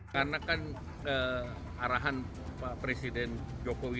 karena kan arahan presiden jokowi